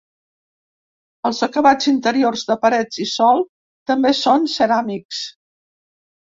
Els acabats interiors de parets i sòl també són ceràmics.